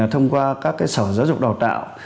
thông qua các sở giáo dục đào tạo